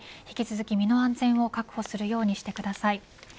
引き続き身の安全を確保するようにしてください。